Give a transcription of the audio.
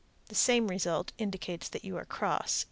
_ The same result indicates that you are cross.